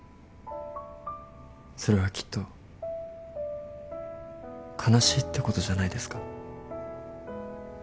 それはきっと悲しいってことじゃないですか？